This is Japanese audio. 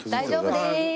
大丈夫です！